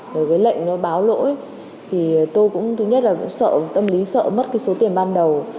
đối với lệnh nó báo lỗi thì tôi cũng thứ nhất là cũng sợ tâm lý sợ mất cái số tiền ban đầu